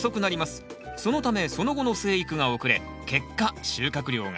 そのためその後の生育が遅れ結果収穫量が減ってしまうんです。